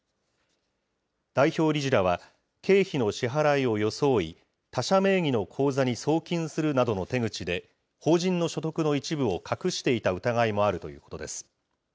代表理事らは、経費の支払いを装い、他社名義の口座に送金するなどの手口で、法人の所得の一部を隠していた疑いもあるということです。